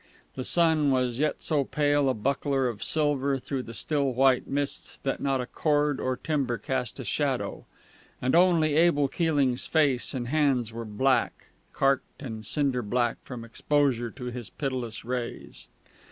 The sun was yet so pale a buckler of silver through the still white mists that not a cord or timber cast a shadow; and only Abel Keeling's face and hands were black, carked and cinder black from exposure to his pitiless rays.